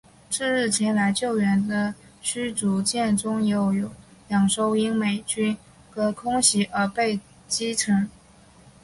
次日前来救援的驱逐舰中又有两艘因为美军的空袭而被击沉。